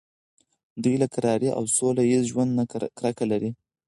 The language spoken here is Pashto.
دوی له کرارۍ او سوله ایز ژوند نه کرکه لري.